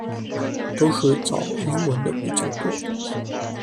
都是找英文的比较多